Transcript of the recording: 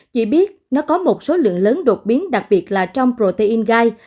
chỉ biết nó có một số lượng lớn đột biến đặc biệt là trong protein gai